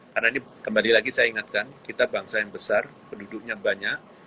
karena ini kembali lagi saya ingatkan kita bangsa yang besar penduduknya banyak